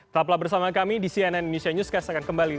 tetaplah bersama kami di cnn indonesia newscast akan kembali